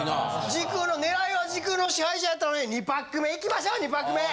時空の狙いは「時空の支配者」やったのに２パック目いきましょう２パック目。